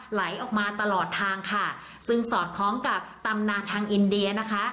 ไหลออกมาตลอดทางค่ะซึ่งสอดคล้องกับตำนานทางอินเดียนะคะ